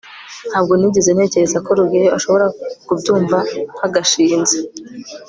ntabwo nigeze ntekereza ko rugeyo ashobora kubyumva nka gashinzi